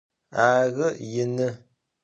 Arı, yinı.